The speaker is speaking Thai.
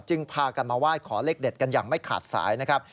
พากันมาไหว้ขอเลขเด็ดกันอย่างไม่ขาดสายนะครับ